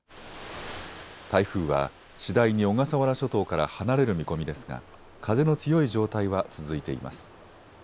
台風は次第に小笠原諸島から離れる見込みですが風の強い状態は続いています。